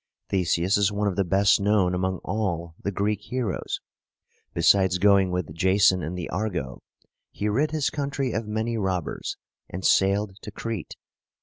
Theseus is one of the best known among all the Greek heroes. Besides going with Jason in the "Argo," he rid his country of many robbers, and sailed to Crete.